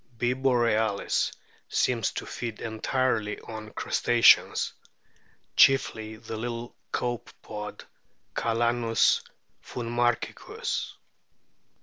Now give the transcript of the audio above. B. borealis seems to feed entirely on Crustaceans, chiefly the little Copepod Calanus finmarchicus.